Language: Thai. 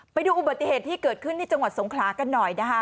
ไปดูอุบัติเหตุที่เกิดขึ้นที่จังหวัดสงขลากันหน่อยนะคะ